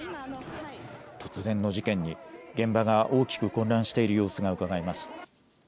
突然の事件に現場が大きく混乱している様子がうかがえます。